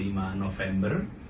saya mengalami swab antigen